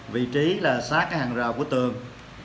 vị trí sát hàng rào của tường